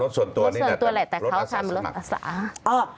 รถส่วนตัวนี่แหละแต่เขาทำรถอาสา